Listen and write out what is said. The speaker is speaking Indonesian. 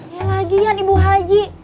ya lagian ibu haji